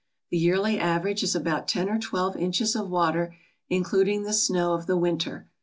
The yearly average is about ten or twelve inches of water, including the snow of the winter.